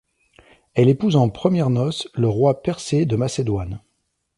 Elle épouse en premières noces le roi Persée de Macédoine.